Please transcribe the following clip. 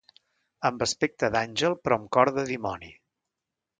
Amb aspecte d’àngel, però amb cor de dimoni.